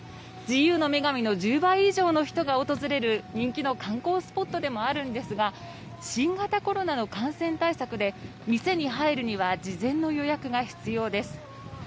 自由の女神の１０倍以上の人が訪れる人気の観光スポットでもあるんですが新型コロナの感染対策で、店に入るには事前の予約が必要です。